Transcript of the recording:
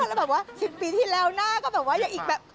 แล้วแบบว่า๑๐ปีที่แล้วหน้าก็แบบว่ายังอีกแบบ